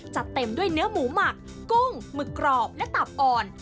จะเต็มด้วยเนื้อหมูหมักกุ้งหมึกกรอบและตับอ่อน